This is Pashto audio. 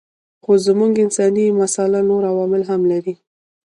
خو زموږ انساني مساله نور عوامل هم لري.